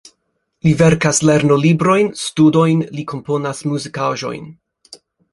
Li verkas lernolibrojn, studojn, li komponas muzikaĵojn.